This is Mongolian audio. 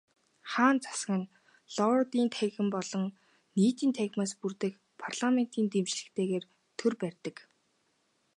Хаант засаг нь Лордуудын танхим болон Нийтийн танхимаас бүрдэх парламентын дэмжлэгтэйгээр төр барьдаг.